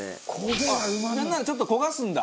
なんならちょっと焦がすんだ。